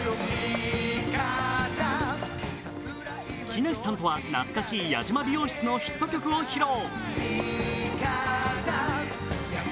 木梨さんとは懐かしい矢島美容室のヒット曲を披露。